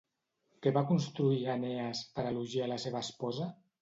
Què va construir, Enees, per elogiar la seva esposa?